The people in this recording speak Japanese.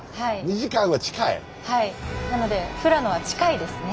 なので富良野は近いですね。